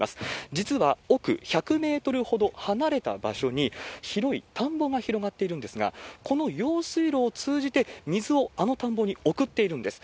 実は奥１００メートルほど離れた場所に、広い田んぼが広がっているんですが、この用水路を通じて、水をあの田んぼに送っているんです。